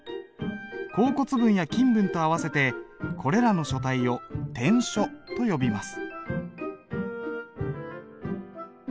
甲骨文や金文と合わせてこれらの書体を篆書と呼びます。